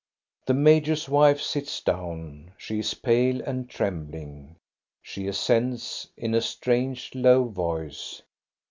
" The major's wife sits down; she is pale and trem bling. She assents in a strange, low voice.